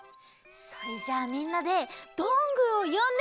それじゃあみんなでどんぐーをよんでみよう！